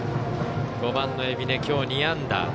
５番の海老根きょう２安打。